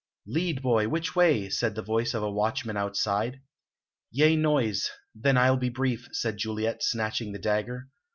"Lead, boy! Which way?" said the voice of a watchman outside. "Yea, noise! Then I'll be brief," said Juliet, snatching the dagger.